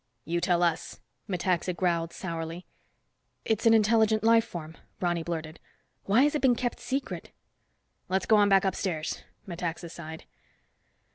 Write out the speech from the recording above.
"You tell us," Metaxa growled sourly. "It's an intelligent life form," Ronny blurted. "Why has it been kept secret?" "Let's go on back upstairs," Metaxa sighed.